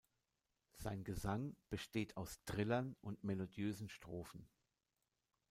Sein Gesang besteht aus Trillern und melodiösen Strophen.